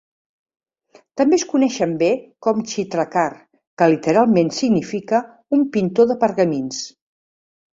També es coneixen bé com Chitrakar, que literalment significa un pintor de pergamins.